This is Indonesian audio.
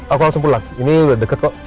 aku langsung pulang ini udah deket kok